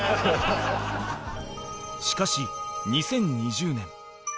しかし２０２０年